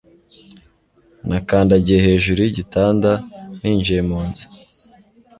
Nakandagiye hejuru yigitanda ninjiye mu nzu